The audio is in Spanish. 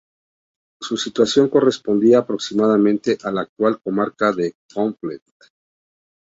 Su situación correspondía, aproximadamente, a la actual comarca de Conflent.